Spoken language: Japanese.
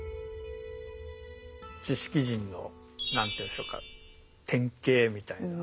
知識人の何ていうんでしょうか典型みたいな。